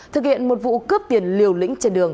thực hiện một vụ cướp tiền lợi